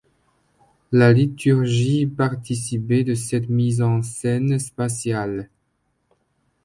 La liturgie participait de cette mise en scène spatiale.